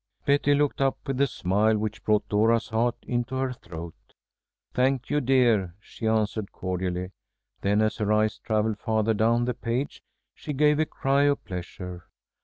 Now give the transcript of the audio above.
Betty looked up with a smile which brought Dora's heart into her throat. "Thank you, dear," she answered, cordially. Then, as her eye travelled farther down the page, she gave a cry of pleasure.